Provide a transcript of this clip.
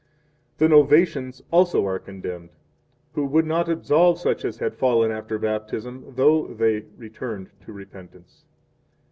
9 The Novatians also are condemned, who would not absolve such as had fallen after Baptism, though they returned to repentance.